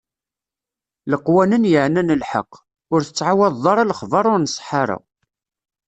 Leqwanen yeɛnan lḥeqq: ur tettɛawadeḍ ara lexbaṛ ur nṣeḥḥa ara.